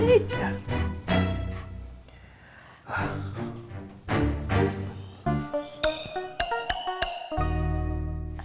mak tuh punya nomor handphone yang teguh